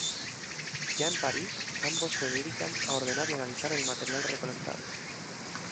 Ya en París, ambos se dedican a ordenar y analizar el material recolectado.